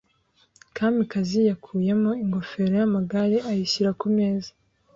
Kamikazi yakuyemo ingofero yamagare ayishyira kumeza.